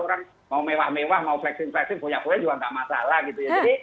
orang mau mewah mewah mau flexing flexing foyak goya juga nggak masalah gitu ya